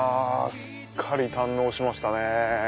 すっかり堪能しましたね。